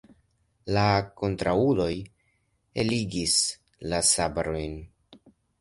La kontraŭuloj eligis la sabrojn.